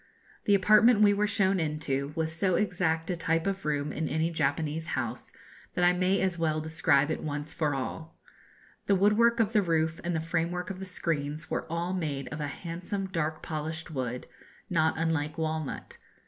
The apartment we were shown into was so exact a type of a room in any Japanese house, that I may as well describe it once for all. The woodwork of the roof and the framework of the screens were all made of a handsome dark polished wood, not unlike walnut.